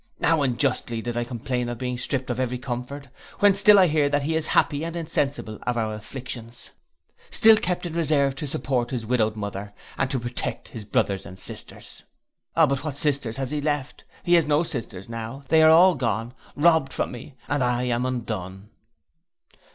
How unjustly did I complain of being stript of every comfort, when still I hear that he is happy and insensible of our afflictions; still kept in reserve to support his widowed mother, and to protect his brothers and sisters. But what sisters has he left, he has no sisters now, they are all gone, robbed from me, and I am undone.